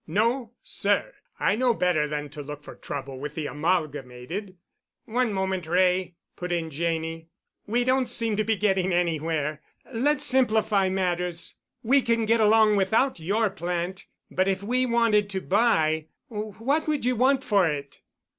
No, sir, I know better than to look for trouble with the Amalgamated." "One moment, Wray," put in Janney; "we don't seem to be getting anywhere. Let's simplify matters. We can get along without your plant, but if we wanted to buy, what would you want for it?"